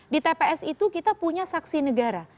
di tps itu kita punya saksi negara